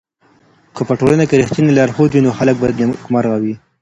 که په ټولنه کي رښتينی لارښود وي نو خلګ به نېکمرغه وي.